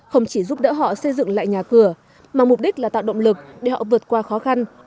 không chỉ giúp đỡ họ xây dựng lại nhà cửa mà mục đích là tạo động lực để họ vượt qua khó khăn